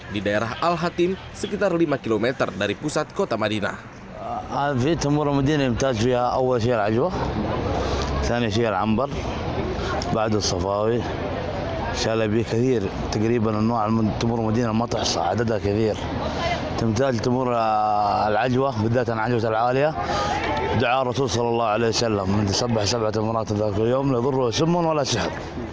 di daerah al hatim sekitar lima km dari pusat kota madinah